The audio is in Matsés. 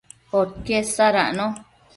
podquied sadacno